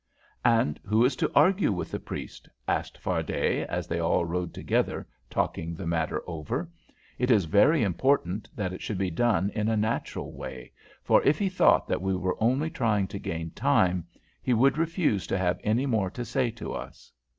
"And who is to argue with the priest?" asked Fardet, as they all rode together, talking the matter over. "It is very important that it should be done in a natural way, for if he thought that we were only trying to gain time he would refuse to have any more to say to us."